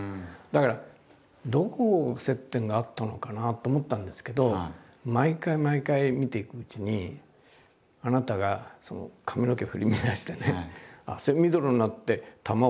だからどこを接点があったのかなと思ったんですけど毎回毎回見ていくうちにあなたが髪の毛振り乱してね